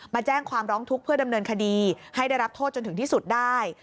มาแจ้งความร้องทุกข์เพื่อดำเนินคดีให้ได้รับโทษจนถึงที่สุดได้